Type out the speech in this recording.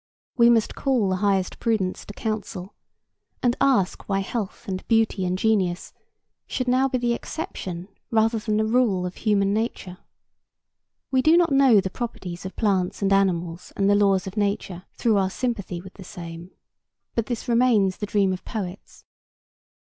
We must call the highest prudence to counsel, and ask why health and beauty and genius should now be the exception rather than the rule of human nature? We do not know the properties of plants and animals and the laws of nature, through our sympathy with the same; but this remains the dream of poets.